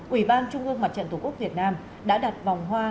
ủy ban trung ương mặt trận tổ quốc việt nam đã đặt vòng hoa